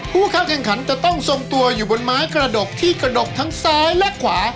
ผู้เข้าแข่งขันจะต้องทรงตัวอยู่บนไม้กระดกที่กระดกทั้งซ้ายและขวา